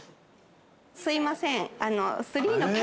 すいません。